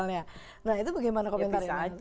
nah itu bagaimana komentar ini